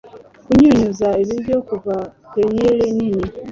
kunyunyuza ibiryo kuva pail nini